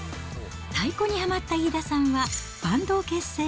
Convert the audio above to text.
太鼓にはまった飯田さんは、バンドを結成。